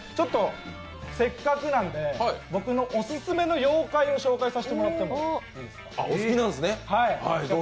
せっかくなので僕のオススメの妖怪を紹介させてもらってもいいですか？